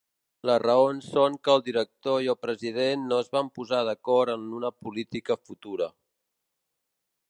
Les raons són que el director i el president no es van posar d'acord en una política futura.